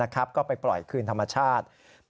ก็ไปปล่อยคืนธรรมชาติ